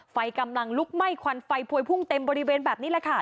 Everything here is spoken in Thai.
ไฟกำลังลุกไหม้ควันไฟพวยพุ่งเต็มบริเวณแบบนี้แหละค่ะ